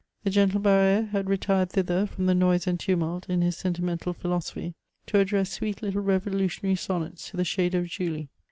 The gentle BarrSre had retired thither from the noise and tumult, in his sentimental philosophy, to address sweet little revolutionary sonnets to the shade of Julie.